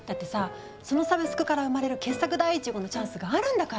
そのサブスクから生まれる傑作第１号のチャンスあるんだから。